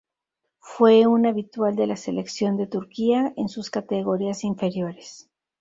Fue un habitual de la selección de Turquía en sus categorías inferiores.